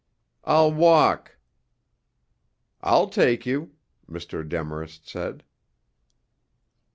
"I'll walk." "I'll take you," Mr. Demarest said.